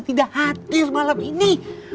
tidak hadir malam ini